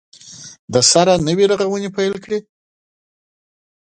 دسره نوي غزونې پیل کړي